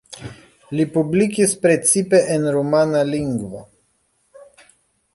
Li publikis precipe en rumana lingvo.